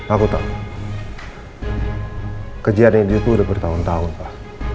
aku tahu pekerjaan itu sudah bertahun tahun pak